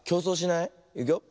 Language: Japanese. いくよ。